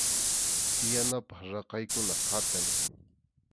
Tiyanapaq raqaykuna qatay.